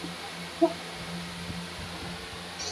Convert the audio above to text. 挪威俄语已转交文学作为一个稳定的混合语的例子。